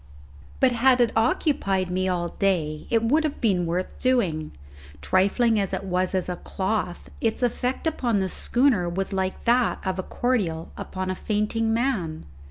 But had it occupied me all day it would have been worth doing. Trifling as it was as a cloth, its effect upon the schooner was like that of a cordial upon a fainting man.